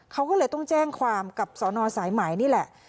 เขาก็เลยต้องแจ้งความกับสนสายไหมนี่แหละ